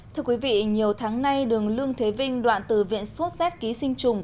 thưa quý vị nhiều tháng nay đường lương thế vinh đoạn từ viện xuất xét ký sinh trùng